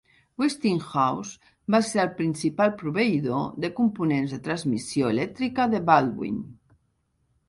Westinghouse va ser el principal proveïdor de components de transmissió elèctrica de Baldwin.